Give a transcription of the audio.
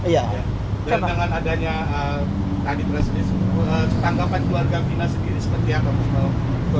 dan dengan adanya tanggapan keluarga bina sendiri seperti apa pak